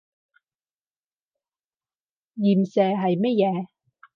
鹽蛇係乜嘢？